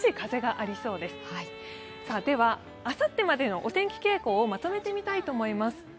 あさってまでのお天気傾向をまとめてみたいと思います。